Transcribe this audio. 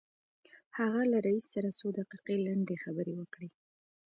هغه له رئيس سره څو دقيقې لنډې خبرې وکړې.